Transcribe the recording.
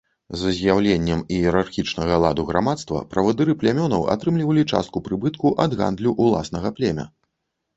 З з'яўленнем іерархічнага ладу грамадства, правадыры плямёнаў атрымлівалі частку прыбытку ад гандлю ўласнага племя.